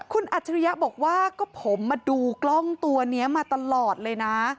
คุณอัจฉริยะบอกว่าก็ผมมาดูกล้องตัวนี้มาตลอดเลยนะ